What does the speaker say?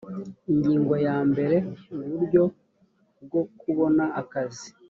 ingingo ya mbere uburyo bwo kubona akazi